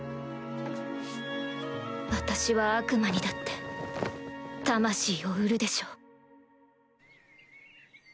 私は悪魔にだって魂を売るでしょう